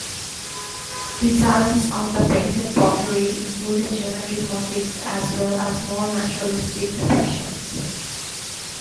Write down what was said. Designs on the painted pottery included geometric motifs as wells as more naturalistic depictions.